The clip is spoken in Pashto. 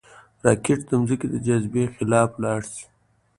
راکټ د ځمکې د جاذبې خلاف ولاړ شي